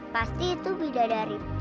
pasti itu bidadari